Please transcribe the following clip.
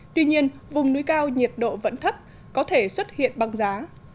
tuy nhiên vùng núi cao nhiệt độ vẫn thấp có thể xuất hiện băng giá